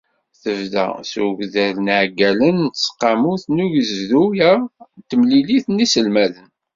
Tebda s ugdal n yiɛeggalen n tseqqamut n ugezdu-a, timlilit n yiselmaden.